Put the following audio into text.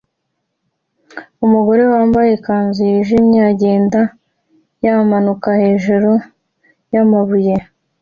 Umugore wambaye ikanzu yijimye agenda yamanuka hejuru yamabuye